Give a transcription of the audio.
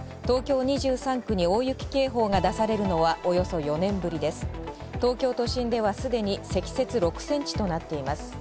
東京２３区に大雪警報が出されるのはおよそ４年ぶりです東京都心ではすでに積雪６センチとなっています。